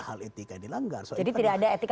hal etika yang dilanggar jadi tidak ada etika